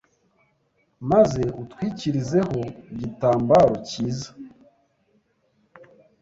maze utwikirizeho igitambaro kiza